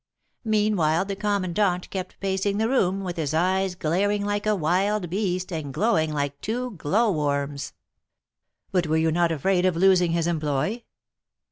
Meanwhile the commandant kept pacing the room, with his eyes glaring like a wild beast and glowing like two glow worms." "But were you not afraid of losing his employ?"